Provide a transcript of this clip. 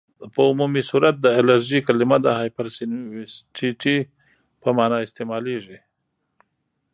په عمومي صورت د الرژي کلمه د هایپرسینسیټیويټي په معنی استعمالیږي.